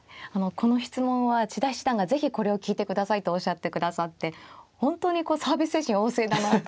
この質問は千田七段が是非これを聞いてくださいとおっしゃってくださって本当にこうサービス精神旺盛だなと。